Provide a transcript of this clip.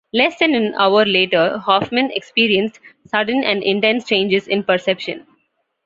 Less than an hour later, Hofmann experienced sudden and intense changes in perception.